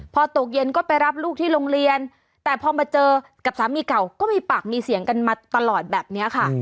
พอตกเย็นก็ไปรับลูกที่โรงเรียนแต่พอมาเจอกับสามีเก่าก็มีปากมีเสียงกันมาตลอดแบบนี้ค่ะ